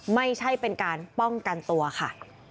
ไม่ใช่เป็นการป้องกันตัวค่ะ